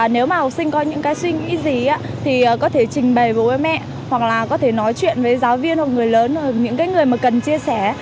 nếu mà học sinh có những cái suy nghĩ gì thì có thể trình bày với mẹ hoặc là có thể nói chuyện với giáo viên hoặc người lớn hoặc những cái người mà cần chia sẻ